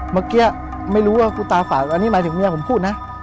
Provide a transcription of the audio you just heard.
เมื่อกี้ไม่รู้ว่าผู้ตายอันนี้หมายถึงเมียผมพูดนะ